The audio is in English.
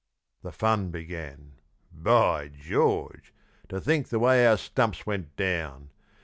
The fun began. By George! to think the way our stumps went down!